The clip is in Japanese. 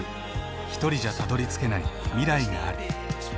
ひとりじゃたどりつけない未来がある。